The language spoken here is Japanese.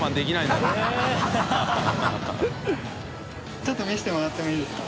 ちょっと見せてもらってもいいですか？